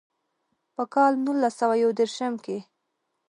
پۀ کال نولس سوه يو ديرشم کښې